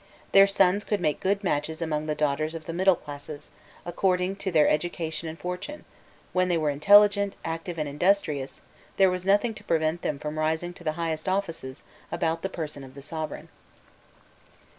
Their sons could make good matches among the daughters of the middle classes, according to their education and fortune; when they were intelligent, active, and industrious, there was nothing to prevent them from rising to the highest offices about the person of the sovereign.